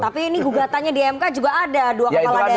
tapi ini gugatanya di mk juga ada dua kepala daerah dari gerindra